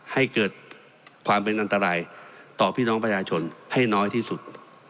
ให้เกิดความเป็นอันตรายต่อพี่น้องประชาชนให้น้อยที่สุด